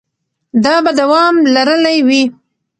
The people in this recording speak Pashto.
دا به دوام لرلی وي.